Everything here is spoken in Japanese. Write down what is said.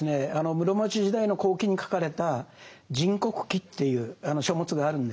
室町時代の後期に書かれた「人国記」っていう書物があるんです。